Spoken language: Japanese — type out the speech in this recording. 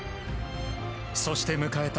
そして迎えた